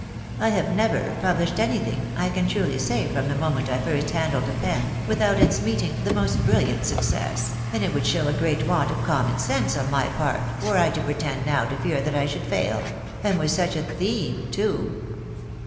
I have never published anything, I can truly say from the moment I first handled a pen, without its meeting the most brilliant suc cess, and it would show a great want of common sense on my part were I to pretend now to fear that I should fail, and with such a theme too